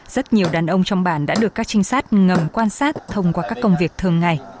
rất nhiều đàn ông trong bản đã được các trinh sát ngầm quan sát thông qua các công việc thường ngày